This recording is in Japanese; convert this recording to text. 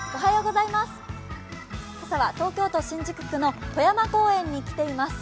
今朝は東京都新宿区の戸山公園に来ています。